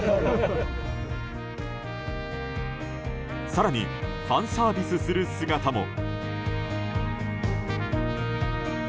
更にファンサービスする姿も。